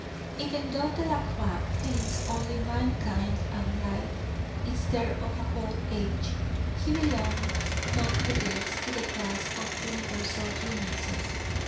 Even though Delacroix paints only mankind and life, instead of a whole age, he belongs none the less to the class of universal geniuses.